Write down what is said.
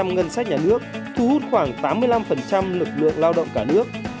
ba mươi ngân sách nhà nước thu hút khoảng tám mươi năm lực lượng lao động cả nước